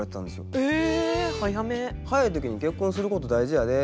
早い時に結婚すること大事やで。